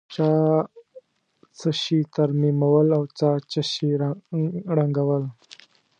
چا څه شي ترمیمول او چا څه شي ړنګول.